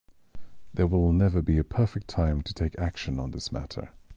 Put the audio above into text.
There will never be a perfect time to take action on this matter !